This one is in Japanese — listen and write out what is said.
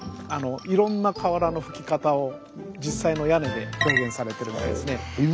いろんな瓦のふき方を実際の屋根で表現されてるみたいですね。